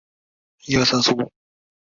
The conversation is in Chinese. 另外三位分别为赵少昂。